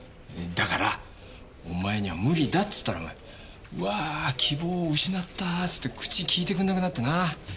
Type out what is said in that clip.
だから「お前には無理だ」っつったら「うわ希望を失った」つって口利いてくれなくなってな。